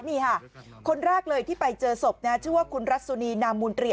นี่ค่ะคนแรกเลยที่ไปเจอศพชื่อว่าคุณรัสสุนีนามมูลตรี